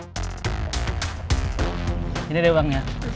sampai jumpa di blue sky cafe